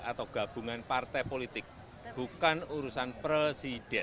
atau gabungan partai politik bukan urusan presiden